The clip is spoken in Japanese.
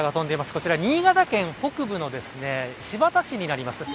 こちら新潟県北部の新発田市になります。